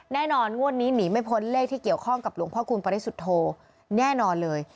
งวดนี้หนีไม่พ้นเลขที่เกี่ยวข้องกับหลวงพ่อคูณปริสุทธโธแน่นอนเลย